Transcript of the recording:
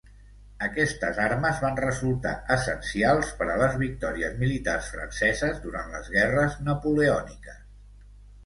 Aquestes armes van resultar essencials per a les victòries militars franceses durant les guerres napoleòniques.